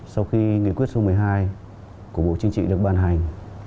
sau khi nghị quyết số một mươi hai của bộ chính trị được ban hành